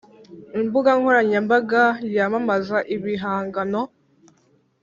imbuga nkoranyambaga yamamaza ibihangano